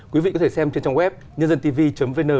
quý vị có thể xem trên trang web nhândantv vn